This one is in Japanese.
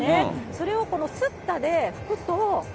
それをこのスッタで拭くと。